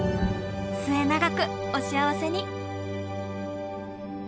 末永くお幸せに！